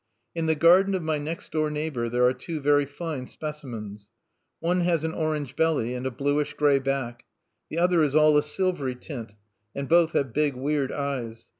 In the garden of my next door neighbor there are two very fine specimens. One has an orange belly and a bluish gray back; the other is all a silvery tint; and both have big weird eyes.